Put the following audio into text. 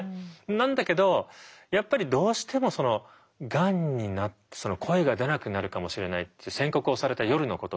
なんだけどやっぱりどうしてもそのがんになって声が出なくなるかもしれないって宣告をされた夜のことが忘れられなくて。